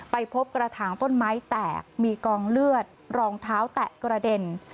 ไปพบกระถางต้นไม้แตกมีกองเลือดรองเท้าแตะกระเด็น